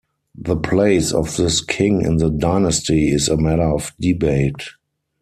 The place of this king in the dynasty is a matter of debate.